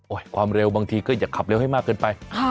ความเร็วบางทีก็อย่าขับเร็วให้มากเกินไป